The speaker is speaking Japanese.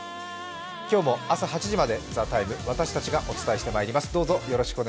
今日も朝８時まで「ＴＨＥＴＩＭＥ，」私たちがお伝えしてまいります。